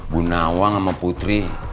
bu nawang sama putri